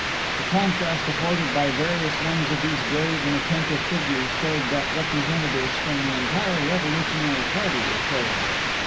The contrast afforded by various ones of these grave and attentive figures showed that representatives from the entire revolutionary party were present.